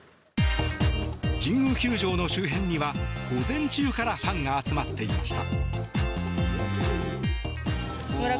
神宮球場の周辺には午前中からファンが集まっていました。